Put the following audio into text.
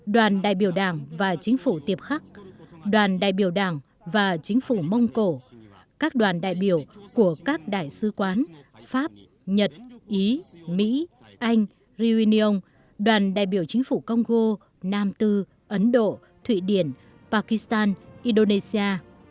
đoàn đại biểu đảng và chính phủ tiếp khắc đoàn đại biểu đảng và chính phủ mông cổ các đoàn đại biểu của các đại sứ quán pháp nhật ý mỹ anh ryunion đoàn đại biểu chính phủ congo nam tư ấn độ thụy điển pakistan indonesia